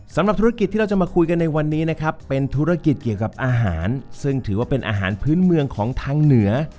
สำหรับธุรกิจที่เราจะมาคุยกันในวันนี้นะครับเป็นธุรกิจเกี่ยวกับอาหารซึ่งถือว่าเป็นอาหารพื้นเมืองของทางเหนือ